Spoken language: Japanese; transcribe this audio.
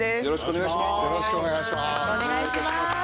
よろしくお願いします。